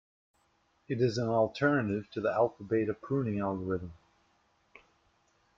It is an alternative to the alpha-beta pruning algorithm.